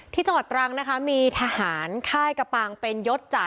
จังหวัดตรังนะคะมีทหารค่ายกระปางเป็นยศจ่า